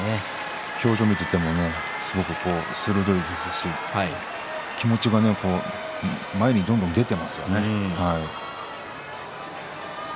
表情を見ていても鋭いですし気持ちが前にどんどん出ていますよね。